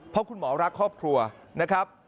เพราะคุณหมอรักครอบครัวนะครับ